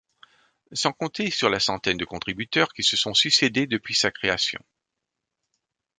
Sans compter sur la centaine de contributeurs qui se sont succédé depuis sa création.